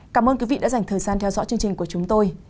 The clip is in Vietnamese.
cảm ơn quý vị đã dành thời gian theo dõi chương trình của chúng tôi